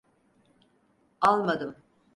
Almadım.